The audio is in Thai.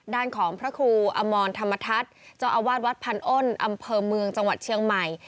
ด้านของพระครูอมรธรรมทัศน์เจ้าอาวาสวัดพันอ้นอำเภอเมืองจังหวัดเชียงใหม่